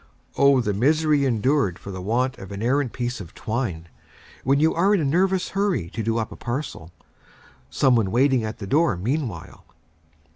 O the misery endured for the want of an errant piece of twine, when you are in a nervous hurry to do up a parcel, some one waiting at the door meanwhile!